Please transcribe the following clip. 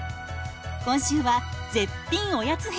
今週は絶品おやつ編。